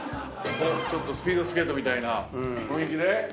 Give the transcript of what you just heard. ちょっとスピードスケートみたいな雰囲気で動いて。